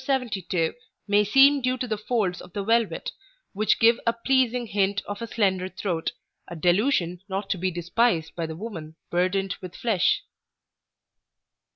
72 may seem due to the folds of the velvet, which give a pleasing hint of a slender throat, a delusion not to be despised by the woman burdened with flesh.